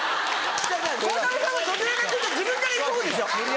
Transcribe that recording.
鋼太郎さんはどちらかというと自分からいくほうでしょ？